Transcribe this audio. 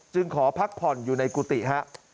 ขอพักผ่อนอยู่ในกุฏิฮะ